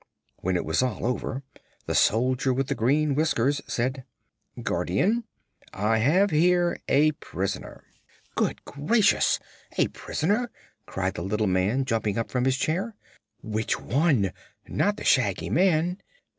When it was all over the Soldier with the Green Whiskers said: "Guardian, I have here a prisoner." "Good gracious! A prisoner?" cried the little man, jumping up from his chair. "Which one? Not the Shaggy Man?"